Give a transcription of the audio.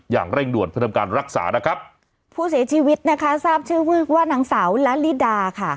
อย่างเร่งด่วนเพื่อทำการรักษานะครับผู้เสียชีวิตนะคะทราบชื่อว่านางสาวละลิดาค่ะ